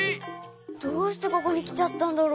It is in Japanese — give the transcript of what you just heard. どうしてここにきちゃったんだろ？